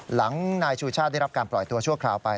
หลังนายชูชาติได้รับการปล่อยตัวชั่วคราวไป